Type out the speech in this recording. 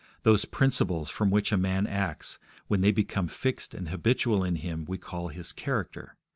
. those principles from which a man acts, when they become fixed and habitual in him we call his character